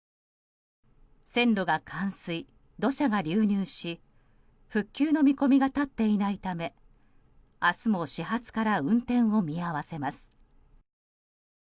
線路が冠水、土砂が流入し復旧の見込みが立っていないため明日も始発から運転を見合わせます。